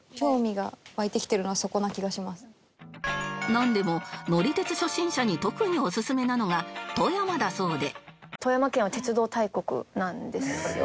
なんでも乗り鉄初心者に特にオススメなのが富山だそうで